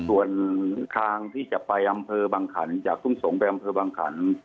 ส่วนทางที่จะไปอำเภอบางขันจากทุ่งสงศ์ไปอำเภอบังขัน